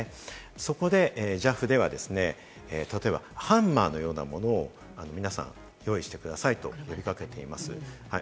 そこでＪＡＦでは、例えばハンマーのようなものを皆さん、用意してくださいと呼び掛けています。